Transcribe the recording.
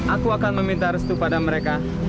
aku akan meminta restu pada mereka